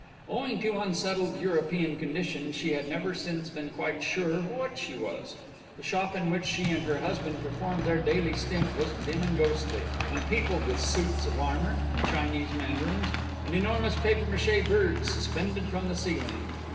Owing to unsettled European conditions she had never since been quite sure what she was. The shop in which she and her husband performed their daily stint was dim and ghostly, and peopled with suits of armor and Chinese mandarins, and enormous papier mâché birds suspended from the ceiling.